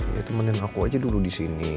ya temenin aku aja dulu di sini